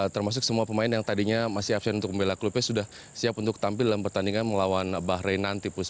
termasuk semua pemain yang tadinya masih absen untuk membela klubnya sudah siap untuk tampil dalam pertandingan melawan bahrain nanti